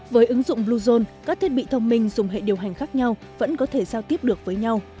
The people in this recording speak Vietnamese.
với ứng dụng bluezone các thiết bị thông minh dùng hệ điều hành khác nhau vẫn có thể giao tiếp được với nhau